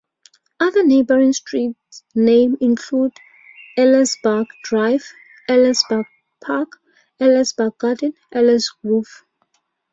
Other neighboring street names include Ailesbury Drive, Ailesbury Park, Ailesbury Gardens and Ailesbury Grove.